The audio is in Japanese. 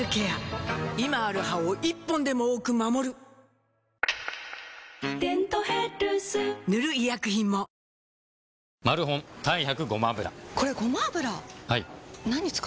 今ある歯を１本でも多く守る「デントヘルス」塗る医薬品もがあるなんていう人は？